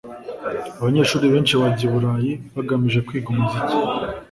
Abanyeshuri benshi bajya i Burayi bagamije kwiga umuziki